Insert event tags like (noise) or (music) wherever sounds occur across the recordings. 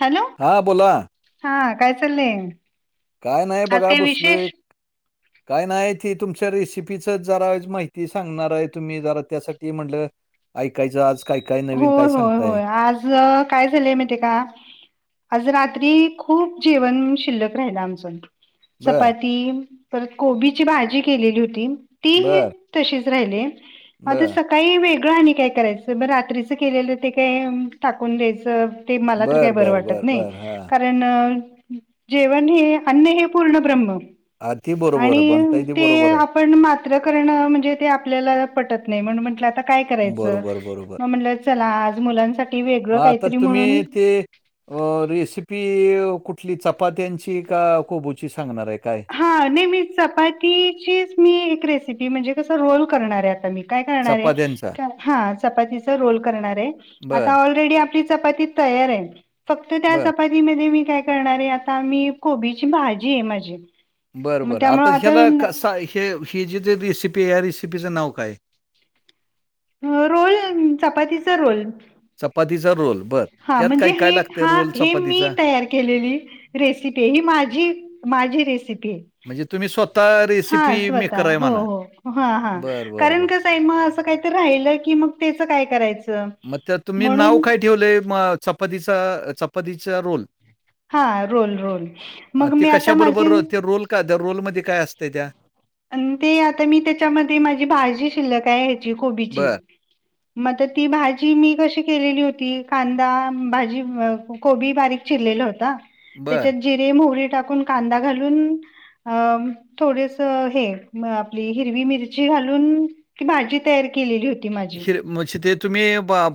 Hello! हा बोला. हा काय चालय? काय नाही बघा बसलोय. काय नाही ते तुमच्या रेसिपीच जरा माहिती सांगणार आहे तुम्ही जरा त्यासाठी म्हणलं ऐकायचं आज. होय होय सांगताय? होय आज काय झालंय माहिते का आज रात्री खूप जेवण शिल्लक राहिल आमच. बरं, चपाती परत कोबीची भाजी केलेली होती. ती हे बरं. तशीच राहिले आता बरं. सकाळी वेगळं आणि काय करायचं ब रा त्रीच केलेलं ते काय टाकुन द्यायच ते मला तर काय बरं, बर बरं, वाटत बरं, नाही. बरं. हां. कारण जेवण हे अन्न हे पूर्ण ब्रम्म. आती ब आणि ते आपण मात्र करणं म्हणजे ते आपल्याला पटत नाही म्हण म्हटलं आता काय करायचं बरोबर, बरोबर. मग म्हटलं चला आज मुलांसाठी वेगळं मग आता काहीतरी म्हणून तुम्ही ते अ रेसिपी कुठली चपात्यांची की कोबूची सांगणार आहे काय? हा नाही मी चपातीचीच मी एक रेसिपी म्हणजे कसं रोल करणार आहे आता मी. काय करणार चपात्यांचा. हा चपाती रोल करणार आहे आता बरं, ऑलरेडी आपली चपाती तयार आहे फक्त बरं. त्या मी काय करणारे आता मी कोबीची भाजी आहे माझी. बरं मग बरं त्यामुळे आता ह्याला क सा हे ही जी जे रेसिपी आहे रेसिपीचं नाव काय? रोल चपातीचा रोल. चपातीचा रोल. बरं. हा त्यात म्हणजे काय-काय हे लागतंय हा रोल हे मी चपातीचा? तयार केलेली रेसिपी ही माझी माझी रेसिपी. म्हणजे तुम्ही स्वतः (inaudible) हा रेसिपी स्वतः मेकर आहे हो म्हणा. हो ह हा बरं, बरं, कारण बरं. कस असं आहे ना, असं काही राहिल की मग त्याच काय करायचं? मग त्या तुम्ही नाव म्हणून काय ठेवलंय चपातचा चपातीचा रोल. हा रोल-रोल अ, मग ते मी आता कशाबरोबर माझी रो- ते रोल का द रोलमध्ये काय असतं त्या? आणि ते आता मी त्याच्यामध्ये माझी भाजी शिल्लक हाय ह्याची कोबीची. बरं, मग तर ती भाजी मी कशी केलेली होती कांदा भाजी, कोबी बारीक चिरलेल होता. बरं. त्याच्यात जिरे मोहरी टाकून कांदा घालून अ थोडेस हे आपली हिरवी मिरची घालून ती भाजी तयार केलेली होती. माझी हिर म्हणजे ते तुम्ही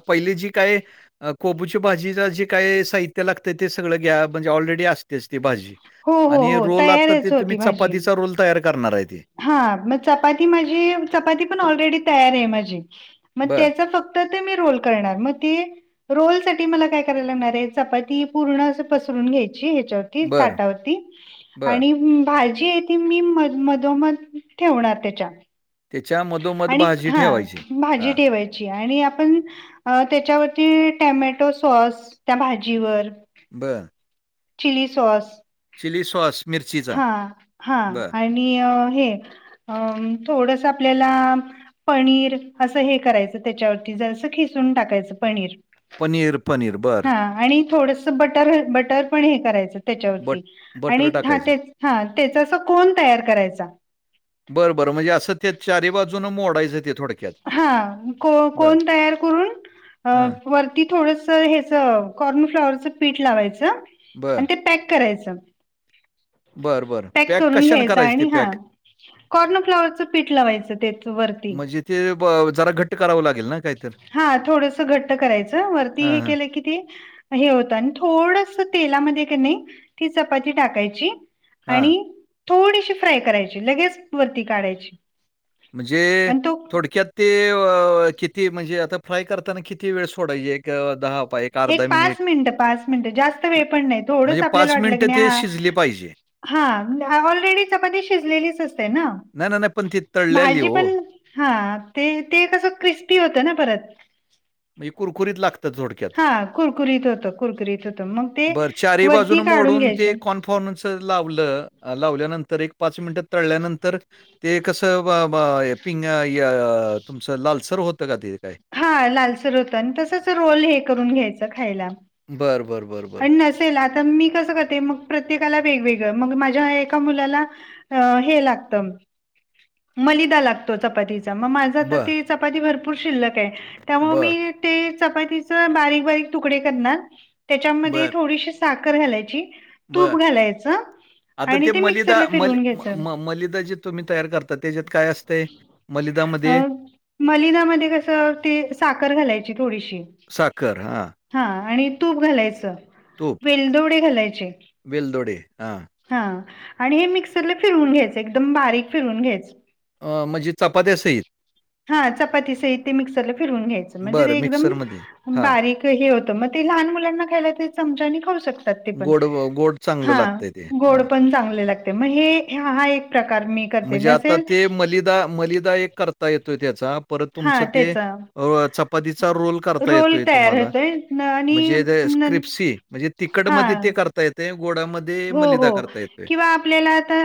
पहिली जी काय जे कोबूच्या भाजीला जे काय साहित्य लागतं ते सगळं घ्या म्हणजे ऑलरेडी असतेच ती भाजी. हो हो आणि हो रोल आता ते तयारच तुम्ही होती भाजी चपातीचा रोल तयार करणार आहे ते. हा मग चपाती माझी चपाती पण ऑलरेडी तयार आहे माझी मग बरं, त्याचा फक्त तर ते मी रोल करणार मग ती रोल साठी मला काय करायला लागणार आहे चपाती पूर्ण असं पसरून घ्यायची ह्याच्यावर बरं, ताटावरती बरं. आणि भाजी आहे ती मी मन में त्या मग ठेवणार त्याच्या त्याच्या मधोमध आणि भाजी हा ठेवायची. भाजी हां. ठेवाय आणि आपण त्याच्यावरती टॅमॅटो सॉस त्या भाजीवर बर. Chilli sauce chilli sauce? मिरचीचा. हा हा बरं. आणि हे अ थोडस आपल्याला पनीर असं हे करायचं त्याच्यावरती जरासं खिसून टाकायचं पनीर. पनीर, पनीर. बरं. हा आणि थोडस बटर बटर पण हे करायचं बट त्याच्यावरती आणि बटर हा टाकायचं. तेच, हा तेच अस कोण तयार करायचा. बरं बरं म्हणजे असं ते चारी बाजूनं मोडायचं ते थोडक्यात. हा को बरं. कोण तयार करून हां. वरती थोडस हेच कॉर्न फ्लॉवरचं पीठ लावायचं आणि बरं. ते पॅक करायचं. बरं, बरं. पॅक करून कशानं घ्यायच करायचं ते आणि हां. पॅक? कॉर्नफ्लॉवरच पीठ लावायचं त्या वरती. म्हणजे ते जरा घट्ट करावं लागेल ना काहीतर? हा थोडस घट्ट करायचं वरती हे हां. केलं की ते हे होतं आणि थोडस तेलामध्ये का नाही ती चपाती टाकायची आणि हां. थोडीशी फ्राय करायची लगेच वरती काढायची. म्हणजे आणि तो थोडक्यात ते अ कि ती म्हणजे आता फ्राय करताना किती वेळ सोडायची एक दहा पाय एक एक अर्धा मिनिट. पाच मिनट, पाच मिनिटं जास्त वेळ म्ह पण नाही थोडंच म्हणजे आपल्याला वाटलं की मिनिटं नाही ते हा शिजली पाहिजे. हां ऑलरेडी चपाती शिजलेलीच असते ना. नाय नाय पण ति तळ भाजी पण हा ते ते कसं क्रिस्पी होतं ना परत. म्हजे कुरकुरीत लागत? हा कुरकुरीत होतं, कुरकुरीत होतं मग ते वरती काढून घ्यायचे. कॉर्नच लावलं लावल्यानंतर एक पाच मिनिटं तळल्यानंतर ते कसं ब ब पिंग य तुमचं लालसर होतं का ते काय? हा लालसर होत आणि तसच रोल हे करून घ्यायचं खायला. बरं. बरं, बरं, बरं. नसेल आता मी कसं करते मग प्रत्येकाला वेगवेगळं मग माझ्या एका मुलाला अ हे लागत, मलिदा लागतो चपातीचा. मग माझ आता बरं, ती चपाती भरपूर शिल्लकय त्यामुळ मी बरं, ते चपातीचे बारीक बारीक तुकडे करणार त्याच्यामध्ये बरं, थोडीशी साखर घालायची, बरं. तूप घालायचं. आता आणि ते मलिदा मिक्सरला मल फिरवून घ्यायचं म मलिदा जे तुम्ही तयार करता त्याच्यात काय असतय? मलिदामध्ये? मलिदामध्ये कसं ते साखर घालायची थोडीशी. साखर हा. हा आणि तूप घालायचं. तूप. वेलदोडे घालायचे. वेलदोडे हा. हा आणि हे मिक्सरला फिरवुन घ्यायच, एकदम बारीक फिरवून घ्यायच. म्हणजे चपात्या सहित? हा चपातीसहित ते मिक्सरला फिरवून घ्यायचं म्हणजे बरं ते एकदम मिक्सरमध्ये. हां. बारीक ते हे होतं मग ते लहान मुलांना खायला ते चमचानी खाऊ शकत पण गोड गोड चांगलं हा लागतंय ते. गोड हां. पण चांगले लागते मग हे हा एक प्रकार मी करते म्हणजे आता नसेल ते मलिदा मलिदा एक करता येतोय त्याचा. परत हा तुमचं ते त्याचा चपातीचा रोल करता रोल येतोय तयार तुम्हाला. होतोय न आणि म्हणजे न स्क्रिप्सी म्हणजे तिखटमध्ये हा ते करता येते. गोडामध्ये हो हो मलिदा करता येतोय. किंवा आपल्याला आता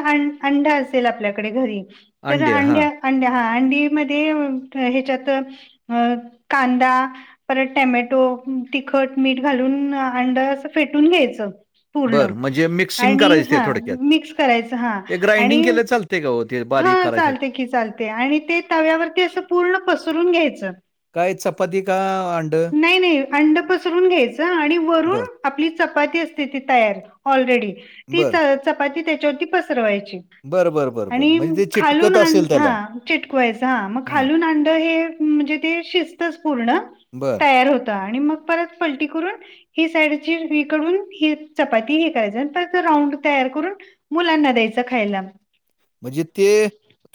अंड असेल आपल्याकडे घरी तर अंडे हां. अंड्या अंड्या हा अंडी मध्ये ह्याच्यात अ कांदा परत टॅमॅटो, तिखट, मीठ घालून अंड अस फेटून घ्यायचं. पूर्ण बरं म्हण आणि हा मिक्स करायच. हा ते आणि ग्राइंडिंग केलं चालतंय का हो ते बारीक हा करायसाठी? चालते की, चाल ते आणि ते तव्यावरती अस पूर्ण पसरून घ्यायचं. काय चपाती का अंडं? नाही नाही अंड पसरून घ्यायचं आणि वरून बरं, आपली चपाती असते ती तयार ऑलरेडी, ती बरं. च चपाती त्याच्यावरती पसरवायची. बरं बरं. बरं, आणि बरं. म्हणजे ते खालून चिटकत अंड असेल हा त्याला. चिटकवायच. हा मग हां, खालून अंड हे म्हणजे ते शि जतच पूर्ण बरं. तयार होत आणि मग परत पलटी करून ही साईडची विकडून ही चपाती (unintelligible) राऊंड तयार करून मुलांना द्यायचं खायला. म्हणजे ते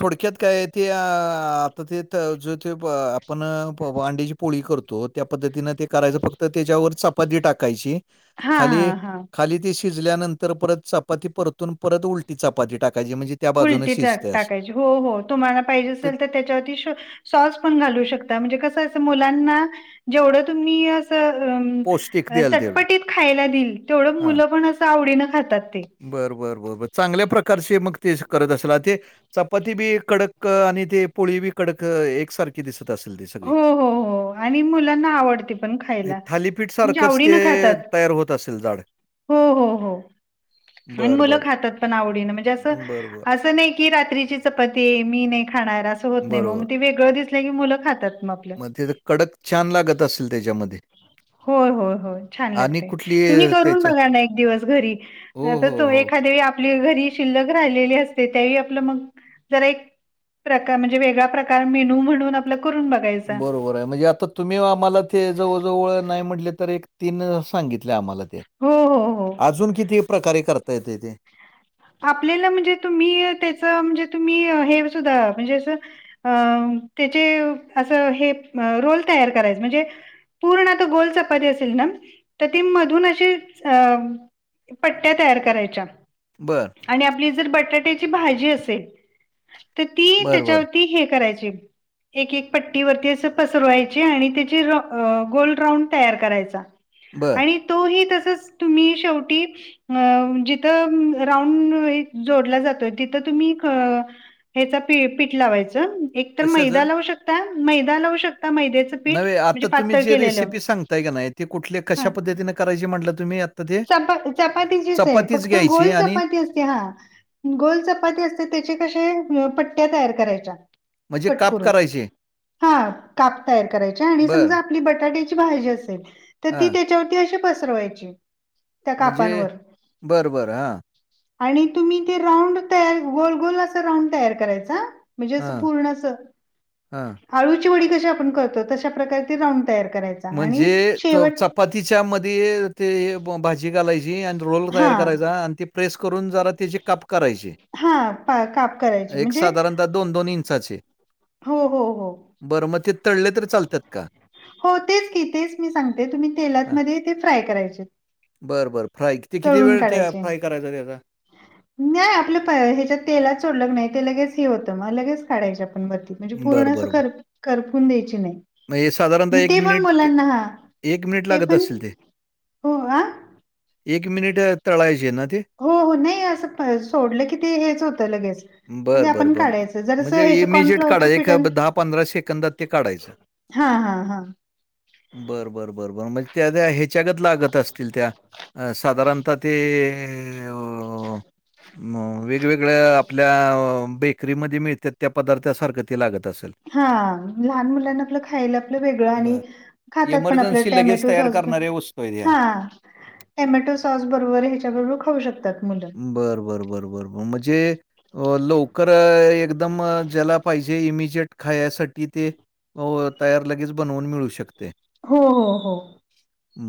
थोडक्यात काय ते आता ते ज ते आपण अंड्या पोळी करतो त्या पद्धतीनं ते करायचं, फक्त त्याच्यावर चपाती टाकायची. हा खाली हा हा. खाली ते शिजल्यानंतर परत चपाती परतून, परत उलटी चपाती टाकायची म्हणजे त्या बाजूनं उलटी शिजते असं. टाकायची. हो हो तुम्हाला पाहिजे ते असेल, तर त्याच्यावरती श सॉस पण घालू शकता म्हणजे कसं असत मुलांना जेवढं तुम्ही पौष्टिक द्याल तेवढं. चटपटीत खायला देईल, तेवढं हां. मुलं पण असं आवडीनं खातात ते. बरं बरं बर बर, चांगल्या प्रकारचे मग ते करत अशिला ते. चपाती बी कडक आणि ते पोळी बी कडक एक सारखी दिसत असल ती सगळी. हो, हो, हो आणि मुलांना आवडते पण हे खायला थालीपीठ म्हणजे सारखंच ते आवडीन खातात. तयार होत असेल जाड. हो हो हो. आणि बरं, मुलं बरं. खातात पण आवडीन म्हणजे असं बरोबर, असं नाही की रात्रीची चपातीय मी नाही खाणार असं होत नाही, मग बरोबर. मग ती वेगळं दिसले की, मुलं खातात मग. आपलं. मग तर कडक छान लागत असेल त्याच्यामध्ये. होय होय होय, छान आणि लागते. कुठली तुम्ही अ, करून त्याच्या बघा ना एक दिवस घरी. हो, हो, नाहीतर हो. एखादया वेळी आपली घरी शिल्लक राहिलेली असते. त्यावेळी आपलं मग जरा एक प्रकार म्हणजे वेगळा प्रकार मेनू म्हणून आपलं करून बघ. बरोबरे म्हणजे आता तुम्ही आम्हाला ते जवळजवळ नाही म्हटले तर एक, तीन सांगितले आम्हाला ते. हो हो हो. अजून किती प्रकारे करता येतय तेे? आपल्याला म्हणजे, तुम्ही त्याच म्हणजे तुम्ही हे सुद्धा म्हणजे असं अ त्याचे असं हे रोल तयार करायचं म्हणजे? पूर्ण आता गोल चपाती असेल ना तर ती मधून अशी अ पट्ट्या तयार करायच्या. बरं. आणि आपली जर बटाट्याची भाजी असेल. तर ती बरं, बरं, त्याच्यावरती हे करायची. एक, एक पट्टीवररती असं पसरवायची आणि त्याची गोल राऊंड तयार करायचा. बरं. आणि तोही तसच तुम्ही शेवटी जिथ राउंड (unintelligible) ऐक जोडला जातोय तिथं तुम्ही ह्याचा पीठ लावायचं एक तर मैदा कशाचं? लावू शकता. मैदा लावू शकता मैदेच नवे आता तुम्ही जे रेसिपी सांगताय का नाही त ते कुठल्या कशा पद्धतीने करायची म्हटलं तुम्ही आता ते, च चपातीचीच आहे. चपातीच फक्त घ्यायची गोल आणि चपाती असते हा. गोल चपाती असते. त्याचे कशे पट्ट्या तयार करायच्या. म्हणजे कट काप करून करायचे? हा काप तयार करायच्या आणि बरं. समजा आणि बटाट्याची भाजी असेल. तर ती हां. त्याच्यावरती अशी पसरवायची त्या म्हणजे कापांनवर बरं, बरं. हां, आणि तुम्ही ही ते राऊंड तयार गोल, गोल अस राऊंड तयार करायचा. म्हणजे असं हां, पूर्ण अस. हां. आळूची वडी कशी आपण करतो तशा प्रकारे ते राऊंड तयार करायच. म्हणजे (unintelligible) तीच्या मध्ये ते भाजी घालायची आणि रोल हा तयार करायचा आणि ते. प्रेस करून जरा त्याची काप. करायचे, हा पा- काप करायचे एक म्हणजे साधारणतः दोन दोन इंचाचे हो हो हो... बरं मग ते तळले तर चालतात का. होतेच की तेच मी सांगते तुम्ही तेलातमध्ये ते फ्राय करायचे. बर बर फ्राय किती तळून वेळ काढायचे फ्राय करायचा त्याचा आपलं ह्याच्यात तेलात सोडलं की नाही ते लगेच हे होतं मग लगेच काढायच आपण बती. म्हणजे बरं, पूर्ण असं कर करपून द्यायची नाही म्ह साधारणतः एक ते पण मिनिट ते मुलांना हा एक मिनिट ते लागत पण असल ते हो आ एक मिनिट तळायचे ना ते. हो हो नाही असं सोडलं की ते हेच होतं लगेच. म्हणजे बरं बरं आपण ब काढायचं. जरासं म्हणजे ह्याच्या इमिजिएट कॉर्नफ्लॉवरच्या काढाय ऐक पिठानं दहा पंधरा सेकंदात ते काढायचं हा हा हा... र (unintelligible) बर बरं बरं म्हणजे त्या त्या ह्याच्यागत लागत असतील त्या साधारणतः ते वेगवेगळ्या आपल्या बेकरीमध्ये मिळत त्यात पदार्थासारखं ते लागत असल. हा लहान मुलांना आपलं खायला आपलं वेगळं आणि. बरं. खातात पण आपल्या इमर्जन्सी लगेच टॅमॅटो तयार सॉस पण. करणाऱ्या वस्तू आहेत ह्या. हा टोमॅटो सॉस बरोबर ह्याच्याबरोबर खाऊ शकतात मुलं. बरं बरं बरं बरंरं.... म्हणजे लवकर एकदम ज्याला पाहिजे इमिजिएट खायसाठी. कि ते तयार लगेच बनवून मिळू शकते. हो हो हो...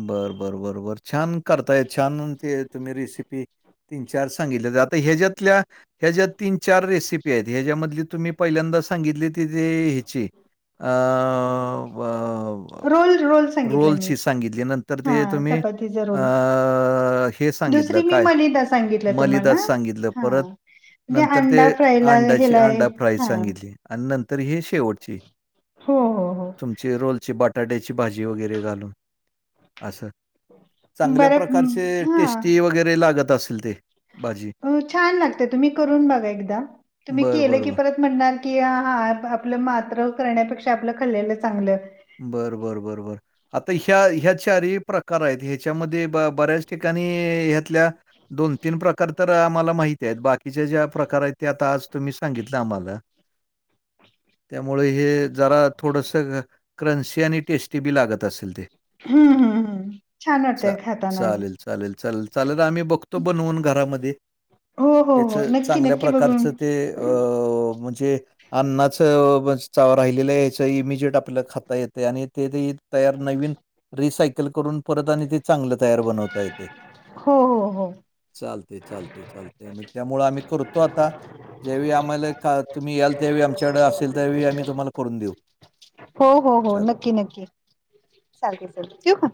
बर बर बर बर छान करताय छान ते तुम्ही रेसिपी तीन चार सांगितलंया जातेय ह्याच्यातल्या ह्या ज्या तीन चार रेसिपी आहेत ह्याच्यामधली तुम्ही पहिल्यांदा सांगितले तिजे ह्याचे अ ब रोल रोल सांगितला मी. रोलची सांगितली न तर ते हां, तुम्ही चपातीचा अ रोल. हे सांगितलं दुसरी मी काय मलिदा सांगितलं तुम्हाला. मलिदात सांगितलं परत हां, नंतर ते अंडा फ्रायला अंड्याची ह्याला अंडा फ्राईज हां. सांगितली आणि नंतर ही शेवटची हो हो हो तुमची रोलची बटाट्याची भाजी वगैरे घालून असं चांगल्या बरं प्रकारचे हां. टेस्टी वगैरे लागत असेल ते भाजी छान लागत तुम्ही करून बघा एकदाम तुम्ही बरं, केलं बरं, की बरं. परत. म्हणणार की हा आपलं मात्र करण्यापेक्षा आपलं खल्लेलं चांगलं बर बर बर बर आता ह्या ह्या चारी प्रकार आहेत ह्याच्यामध्ये बऱ्याच ठिकाणी ह्यातल्या दोन तीन प्रकार तर आम्हाला माहिती आहेत. बाकीच्या ज्या प्रकार आहेत. ते आता आज तुम्ही सांगितलं आम्हाला त्यामुळे हे जरा थोडस क्रंस आणि टेस्टी बी लागत असेल ते हं, हं, हं. छान वाटतं खाताना. चालेल चालेल चालेल चालेल आम्ही बघतो. बघ तो बनवून घरामध्ये हो, हो, त्याच हो. नक्की, चांगल्या नक्की बघून. प्रकारचं ते अ म्हणजे अन्नाच बस चाव राहिलेलं याच इमिजिएट आपल्याला खाता येते आणि ते देत. तयार नवीन रिसायकल करून परत आणि ते चांगलं तयार बनवता येते. हो, हो, हो. चालते चालते चालते त्यामुळे आम्ही करतो आता. ज्यावेळी आम्हाला काल तुम्ही याल त्या वेळी आमच्याकडे असेल ते आम्ही तुम्हाला करून देऊ हो हो हो चालेल. नक्की नक्की चालते चालते ठेऊ का?